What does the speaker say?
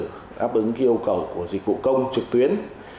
đáp ứng yêu cầu của dịch vụ công trực tuyến